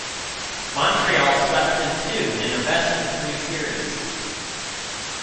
Montreal swept them too in a best-of-three series.